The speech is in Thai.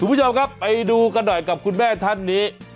คุณผู้ชมครับไปดูกันหน่อยกับคุณแม่ท่านนี้